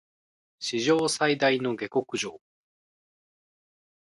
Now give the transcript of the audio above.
史上最大の下剋上